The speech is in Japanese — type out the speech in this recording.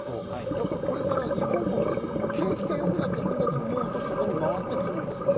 これから日本国が景気がよくなっていくと思うと回っていくとお金が思うんです。